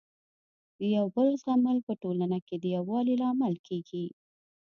د یو بل زغمل په ټولنه کي د يووالي لامل کيږي.